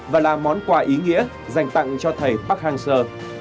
và là món quà ý nghĩa dành tặng cho thầy park hang seo